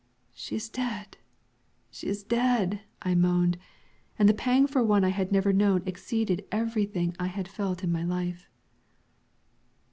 "She is dead, she is dead!" I moaned; and the pang for one I had never known exceeded everything I had felt in my life.